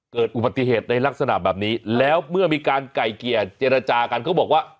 เกิดอุบัติเหตุในลักษณะแบบนี้แล้วเมื่อมีการไก่เกลี่ยเจรจากันเขาบอกว่า